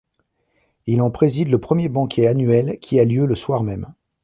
Il en préside le premier banquet annuel qui a lieu le soir même.